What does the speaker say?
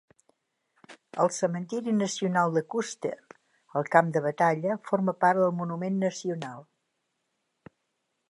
El Cementiri Nacional de Custer, al camp de batalla, forma part del monument nacional.